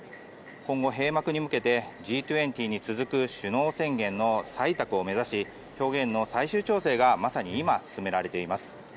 今後、閉幕に向けてＧ２０に続く首脳宣言の採択を目指し表現の最終調整がまさに今、進められています。